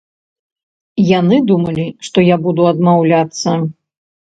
Яны думалі, што я буду адмаўляцца.